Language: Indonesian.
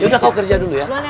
yaudah kamu kerja dulu ya